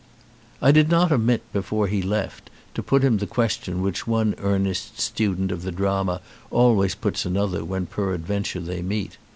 I did not omit before he left to put him the question which one earnest student of the drama always puts another when peradventure they meet.